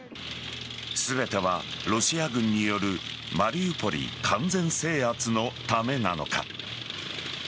全てはロシア軍によるマリウポリ完全制圧のためなのか。